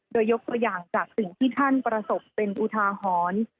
โดยยกตัวอย่างจากสิ่งที่ท่านประสบเป็นอุทาหรณ์